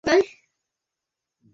দাঁড়াও, আমরা আজ কারাওকিং করব।